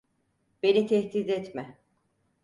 Beni tehdit etme.